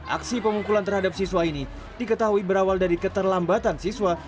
aksi pemukulan terhadap siswa ini diketahui berawal dari keterlambatan siswa